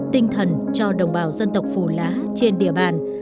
tinh thần cho đồng bào dân tộc phù lá trên địa bàn